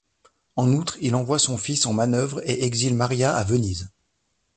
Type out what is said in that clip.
En outre il envoie son fils en manœuvre et exile Maria à Venise.